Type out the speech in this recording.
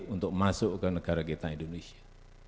untuk masuk ke negara kita indonesia